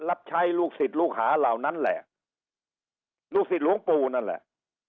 รับใช้ลูกศิษย์ลูกหาเหล่านั้นแหละลูกศิษย์หลวงปู่นั่นแหละ